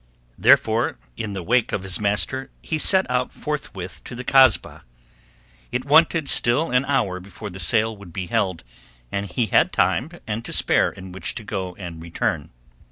Therefore in the wake of his master he set out forthwith to the Kasbah. It wanted still an hour before the sale would be held and he had time and to spare in which to go and return.